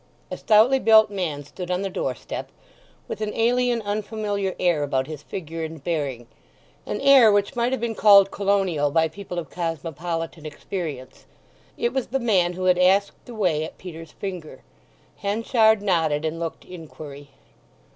A stoutly built man stood on the doorstep, with an alien, unfamiliar air about his figure and bearing—an air which might have been called colonial by people of cosmopolitan experience. It was the man who had asked the way at Peter's Finger. Henchard nodded, and looked inquiry.